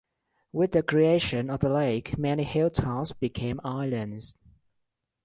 With the creation of the lake many hilltops became islands.